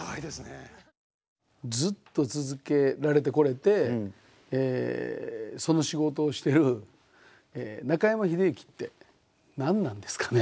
ずっと続けられてこれてその仕事をしてる中山秀征って何なんですかね？